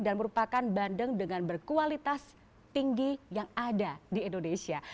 dan merupakan bandeng dengan berkualitas tinggi yang ada di indonesia